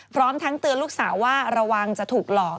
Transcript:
พร้อมทั้งเตือนลูกสาวว่าระวังจะถูกหลอก